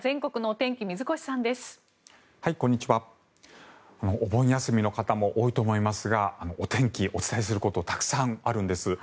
お盆休みの方も多いと思いますがお天気、お伝えすることたくさんあるんです。